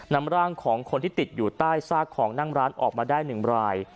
นำร่างของคนที่ติดอยู่ใต้ซากของนั่งร้านออกมาได้๑ราย